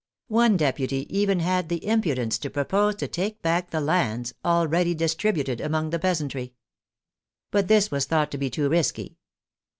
One deputy even had the impudence to propose to take back the lands already distributed among the peasantry. But this was thought to be too risky.